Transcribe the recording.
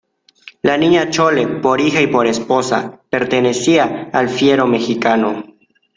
la Niña Chole por hija y por esposa, pertenecía al fiero mexicano